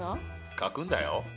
書くんだよ。